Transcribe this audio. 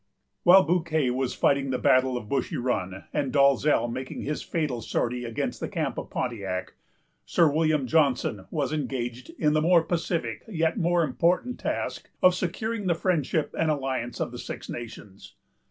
While Bouquet was fighting the battle of Bushy Run, and Dalzell making his fatal sortie against the camp of Pontiac, Sir William Johnson was engaged in the more pacific yet more important task of securing the friendship and alliance of the Six Nations.